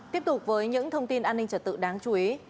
tiếp tục với những thông tin an ninh trật tự đáng chú ý